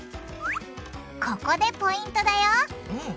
ここでポイントだよ。